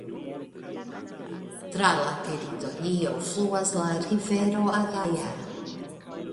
Tra la teritorio fluas la rivero Adaja.